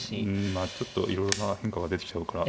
まあちょっといろいろな変化が出てきちゃうから。